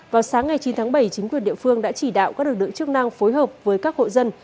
vào sáng ngày chín tháng bảy chính quyền địa phương đã chỉ đạo các lực lượng chức năng phối hợp với các hộ dân